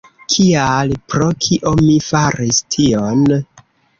Kial, pro kio mi faris tion?